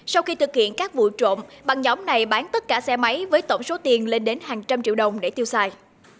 sau khi thực hiện các vụ trộm băng nhóm này bán tất cả xe máy với tổng số tiền lên đến hàng trăm triệu đồng để tiêu xài